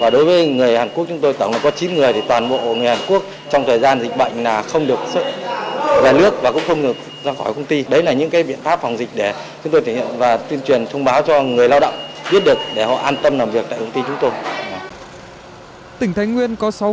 tỉnh thái nguyên có sáu khu công nghiệp với trên một trăm linh một người lao động trong đó